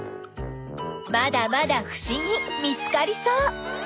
まだまだふしぎ見つかりそう！